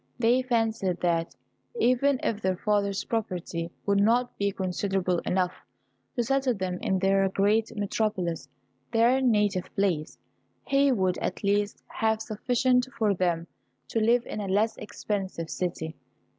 They fancied that, even if their father's property would not be considerable enough to settle them in the great metropolis, their native place, he would at least have sufficient for them to live in a less expensive city.